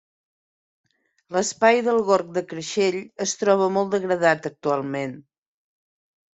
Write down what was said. L'espai del gorg del Creixell es troba molt degradat actualment.